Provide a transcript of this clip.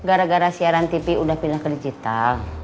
gara gara siaran tv udah pindah ke digital